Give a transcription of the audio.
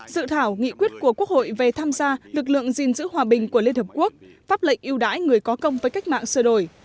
dự thảo nghị quyết của quốc hội về tham gia lực lượng gìn giữ hòa bình của liên hợp quốc pháp lệnh yêu đái người có công với cách mạng sửa đổi